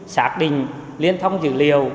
xác định liên thông dữ liệu